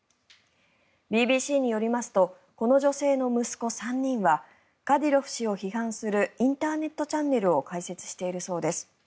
ＢＢＣによりますとこの女性の息子３人はカディロフ氏を批判するインターネットチャンネルを開設しているそうです。